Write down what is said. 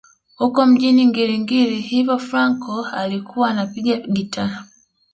Huko mjini Ngiri Ngiri hivyo Fraco alikuwa anapiga gitaa